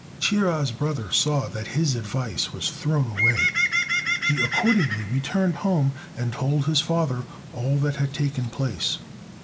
Chia's brother saw that his advice was thrown away; he accordingly returned home and told his father all that had taken place.